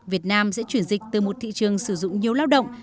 việt nam sẽ chuyển dịch từ một thị trường sử dụng nhiều lao động